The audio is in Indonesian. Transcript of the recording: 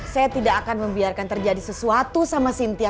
saya tidak akan membiarkan terjadi sesuatu sama sintia